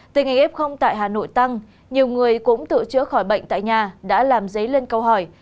từ ngày f tại hà nội tăng nhiều người cũng tự chữa khỏi bệnh tại nhà đã làm giấy lên câu hỏi